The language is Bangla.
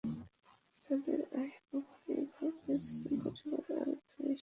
তাঁদের আয়ের ওপর নির্ভর করে চলেন পরিবারের আরও দুই সহস্রাধিক সদস্য।